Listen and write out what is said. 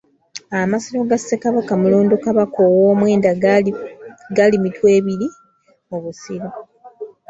Amasiro ga Ssekabaka Mulondo kabaka owomwenda gali Mitwebiri mu Busiro.